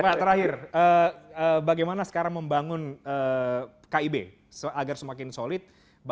pak terakhir bagaimana sekarang membangun kib agar semakin solid